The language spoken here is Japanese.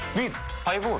ハイボール？